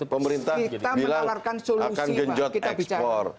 pemerintah bilang akan genjot ekspor